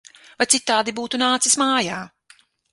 Vai citādi būtu nācis mājā!